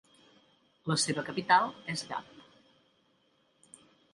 La seva capital és Gap.